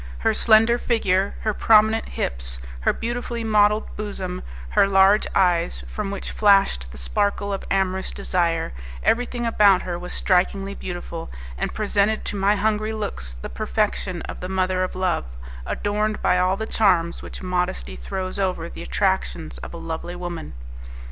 Her slender figure, her prominent hips, her beautifully modelled bosom, her large eyes, from which flashed the sparkle of amorous desire, everything about her was strikingly beautiful, and presented to my hungry looks the perfection of the mother of love, adorned by all the charms which modesty throws over the attractions of a lovely woman.